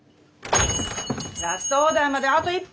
ラストオーダーまであと１分！